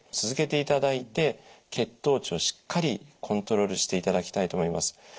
続けていただいて血糖値をしっかりコントロールしていただきたいと思います。